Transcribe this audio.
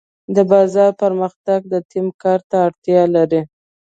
د بازار پرمختګ د ټیم کار ته اړتیا لري.